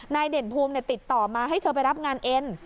เด่นภูมิติดต่อมาให้เธอไปรับงานเอ็น